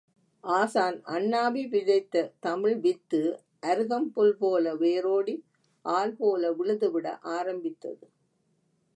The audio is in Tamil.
ஆசான் அண்ணாவி விதைத்த தமிழ் வித்து அருகம்புல்போல வேரோடி ஆல் போல விழுது விட ஆரம்பித்தது.